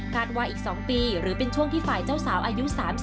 ว่าอีก๒ปีหรือเป็นช่วงที่ฝ่ายเจ้าสาวอายุ๓๒